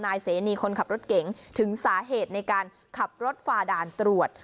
เสนีคนขับรถเก๋งถึงสาเหตุในการขับรถฝ่าด่านตรวจ